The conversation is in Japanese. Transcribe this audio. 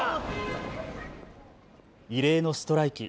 異例のストライキ。